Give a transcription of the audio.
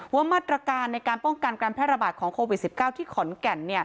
ว่ามาตรการในการป้องกันการแพร่ระบาดของโควิด๑๙ที่ขอนแก่น